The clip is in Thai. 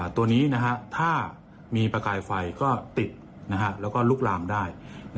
ตัวนี้ถ้ามีประกายไฟก็ติดแล้วก็ลุกลามได้